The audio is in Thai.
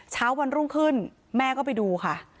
เช้าวันรุ่งขึ้นแม่ก็ไปดูค่ะ